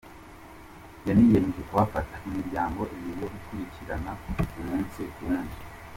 Yaniyemeje kuhafata imiryango ibiri yo gukurikirana umunsi ku wundi.